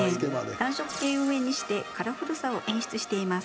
暖色系を上にしてカラフルさを演出しています。